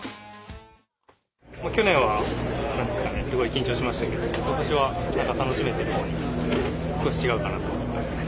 去年はすごい緊張しましたけどことしはなんか楽しめてるほうに少し違うかなと思います。